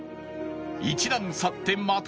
一難去ってまた